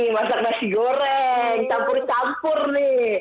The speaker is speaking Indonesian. masak nasi goreng campur campur nih